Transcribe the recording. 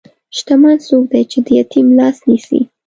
شتمن څوک دی چې د یتیم لاس نیسي.